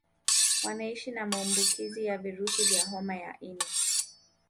Wanaishi na maambukizi ya virusi vya homa ya ini